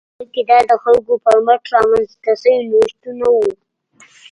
بلکې دا د خلکو پر مټ رامنځته شوي نوښتونه وو